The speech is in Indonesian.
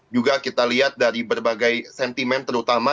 juga kita lihat dari berbagai sentimen terutama